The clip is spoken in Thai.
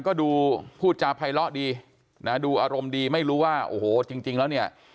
ก็ดูพูดจาภัยเลาะดีนะดูอารมณ์ดีไม่รู้ว่าโอ้โหจริงแล้วเนี่ย